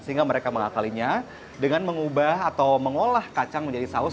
sehingga mereka mengakalinya dengan mengubah atau mengolah kacang menjadi saus